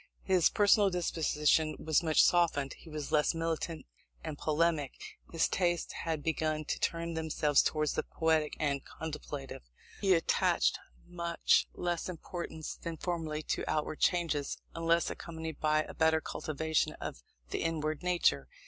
His personal disposition was much softened; he was less militant and polemic; his tastes had begun to turn themselves towards the poetic and contemplative. He attached much less importance than formerly to outward changes; unless accompanied by a better cultivation of the inward nature.